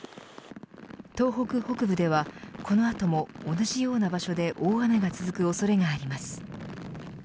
東北北部ではこのあとも同じような場所で大雨が続く恐れがあります。